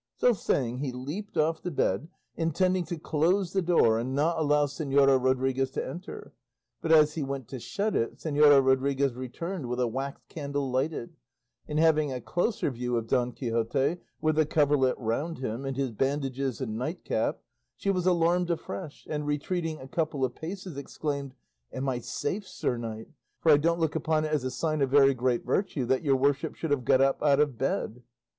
So saying he leaped off the bed, intending to close the door and not allow Señora Rodriguez to enter; but as he went to shut it Señora Rodriguez returned with a wax candle lighted, and having a closer view of Don Quixote, with the coverlet round him, and his bandages and night cap, she was alarmed afresh, and retreating a couple of paces, exclaimed, "Am I safe, sir knight? for I don't look upon it as a sign of very great virtue that your worship should have got up out of bed."